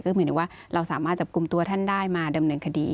หมายถึงว่าเราสามารถจับกลุ่มตัวท่านได้มาดำเนินคดี